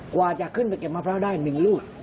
กว่าจะขึ้นไปเก็บมะพร้าวได้๑ลูก